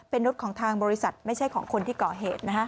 เป็นรถของทางบริษัทไม่ใช่ของคนที่ก่อเหตุ